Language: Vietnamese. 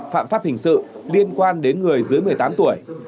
phạm pháp hình sự liên quan đến người dưới một mươi tám tuổi